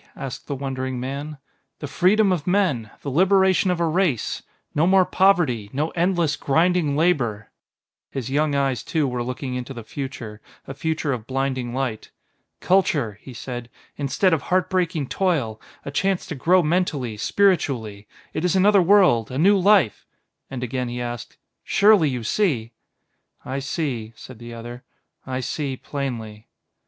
asked the wondering man. "The freedom of men the liberation of a race. No more poverty, no endless, grinding labor." His young eyes, too, were looking into the future, a future of blinding light. "Culture," he said, "instead of heart breaking toil, a chance to grow mentally, spiritually; it is another world, a new life " And again he asked: "Surely, you see?" "I see," said the other; "I see plainly."